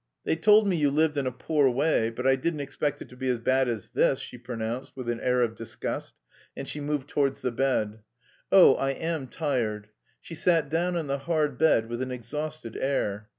"They told me you lived in a poor way, but I didn't expect it to be as bad as this," she pronounced with an air of disgust, and she moved towards the bed. "Oh, I am tired!" she sat down on the hard bed, with an exhausted air.